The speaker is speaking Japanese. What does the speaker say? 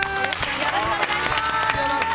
◆よろしくお願いします。